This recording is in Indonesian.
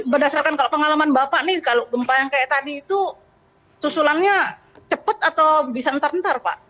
berdasarkan kalau pengalaman bapak nih kalau gempa yang kayak tadi itu susulannya cepat atau bisa ntar ntar pak